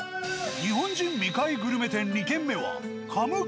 日本人未開グルメ店２軒目は。